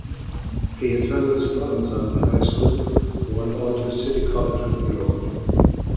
He attended Stuyvesant High School and went on to City College of New York.